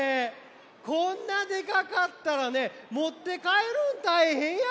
こんなでかかったらねもってかえるんたいへんやもんね。